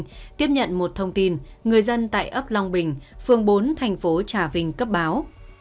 tiếp nhận một thông tin người dân tại ấp long bình phường bốn thành phố trà vinh cấp báo